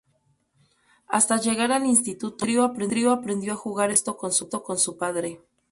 Hasta llegar al instituto, el trío aprendió a jugar al baloncesto con su padre.